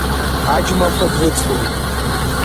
Аџьмақәа дрыцлеит.